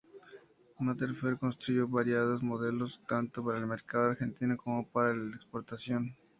Materfer construyó variados modelos tanto para el mercado argentino como para el de exportación.